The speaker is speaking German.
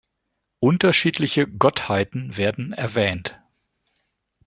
Unterschiedliche Gottheiten werden erwähnt.